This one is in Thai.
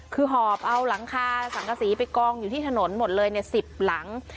คือหอบเอาหลังคาสังกษีไปกองอยู่ที่ถนนหมดเลย๑๐หลัง